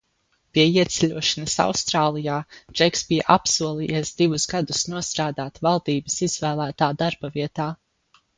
Pie ieceļošanas Austrālijā Džeks bija apsolījies divus gadus nostrādāt valdības izvēlētā darba vietā.